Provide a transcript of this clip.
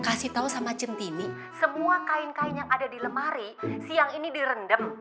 kasih tahu sama centini semua kain kain yang ada di lemari siang ini direndam